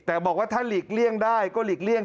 แต่บอกว่าถ้าหลีกเลี่ยงได้ก็หลีกเลี่ยง